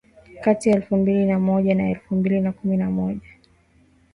kati ya elfu mbili na moja na elfu mbili na kumi na moja